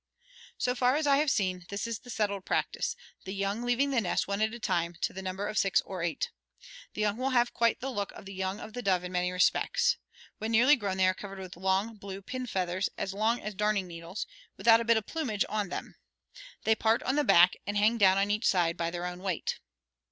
"So far as I have seen, this is the settled practice, the young leaving the nest one at a time to the number of six or eight. The young have quite the look of the young of the dove in many respects. When nearly grown they are covered with long blue pin feathers as long as darning needles, without a bit of plumage on them. They part on the back and hang down on each side by their own weight.